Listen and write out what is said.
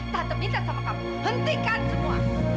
tante minta sama kamu hentikan semua